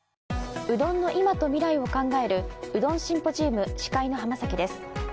うどんの今と未来を考えるうどんシンポジウム司会の浜です。